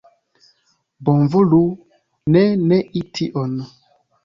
Bonvolu ne nei tion.